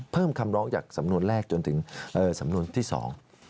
เพิ่มคำร้องจากสำนวนแรกจนถึงสำนวนที่สอง